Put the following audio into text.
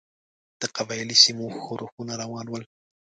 د قبایلي سیمو ښورښونه روان ول.